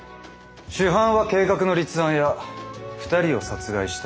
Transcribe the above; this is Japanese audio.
主犯は計画の立案や２人を殺害した諸岡だ。